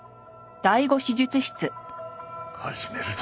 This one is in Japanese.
始めるぞ。